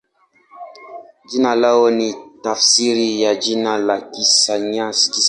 Jina lao ni tafsiri ya jina la kisayansi.